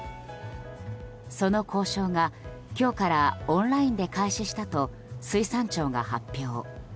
その交渉が今日からオンラインで開始したと水産庁が発表。